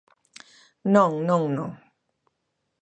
Non, non, non.